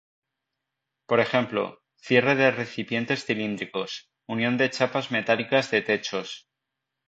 Por ejemplo: "Cierre de recipientes cilíndricos, unión de chapas metálicas de techos.